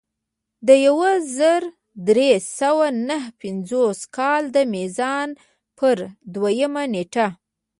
د یو زر درې سوه نهه پنځوس کال د میزان پر دویمه نېټه.